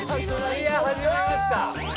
いや始まりました。